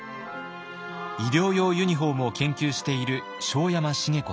医療用ユニフォームを研究している庄山茂子さん。